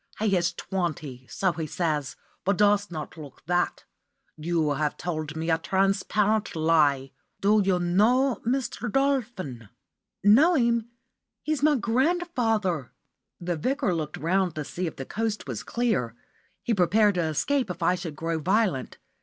He is twenty, so he says, but does not look that. You have told me a transparent lie. Do you know Mr. Dolphin?" "Know him! He's my grandfather." The Vicar looked round to see if the coast was clear. He prepared to escape if I should grow violent.